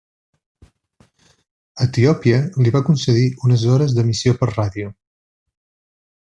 Etiòpia li va concedir unes hores d'emissió per ràdio.